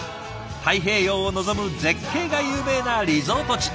太平洋を望む絶景が有名なリゾート地。